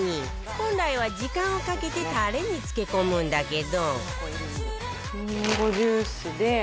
本来は時間をかけてタレに漬け込むんだけど